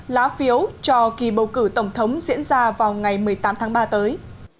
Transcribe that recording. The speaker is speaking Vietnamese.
lá phiếu cho kỳ bầu cử tổng thống diễn ra vào ngày một mươi tám tháng ba tới